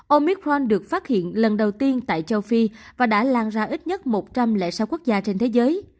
ômikron được phát hiện lần đầu tiên tại châu phi và đã lan ra ít nhất một trăm linh lệ sao quốc gia trên thế giới